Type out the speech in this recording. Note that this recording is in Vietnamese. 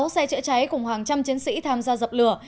sáu xe chữa cháy cùng hàng trăm chiến sĩ tham gia dập lửa